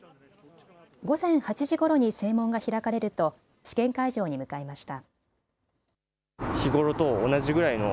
午前８時ごろに正門が開かれると試験会場に向かいました。